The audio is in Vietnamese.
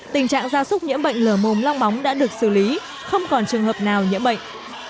tình trạng gia súc nhiễm bệnh lở mồm long bóng đã được xử lý không còn trường hợp nào nhiễm bệnh